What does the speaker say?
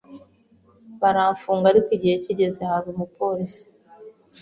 baramfunga ariko igihe kigeze haza umupolisi